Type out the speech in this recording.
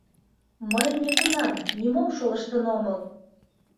— Мый нигунам, нимом шолыштын омыл.